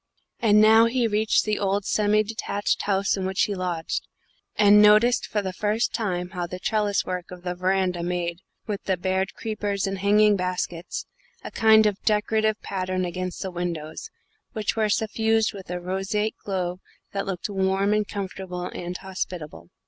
And now he reached the old semi detached house in which he lodged, and noticed for the first time how the trellis work of the veranda made, with the bared creepers and hanging baskets, a kind of decorative pattern against the windows, which were suffused with a roseate glow that looked warm and comfortable and hospitable.